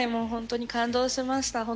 本当に感動しました。